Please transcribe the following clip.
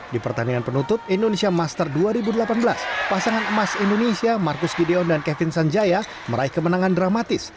di pertandingan penutup indonesia master dua ribu delapan belas pasangan emas indonesia marcus gideon dan kevin sanjaya meraih kemenangan dramatis